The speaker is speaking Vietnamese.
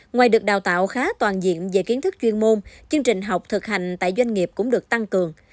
ngoài được đào tạo khá toàn diện về kiến thức chuyên môn chương trình học thực hành tại doanh nghiệp cũng được tăng cường